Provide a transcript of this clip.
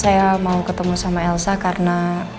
saya mau ketemu sama elsa karena